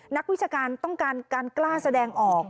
นักวิชาการต้องการการกล้าแสดงออก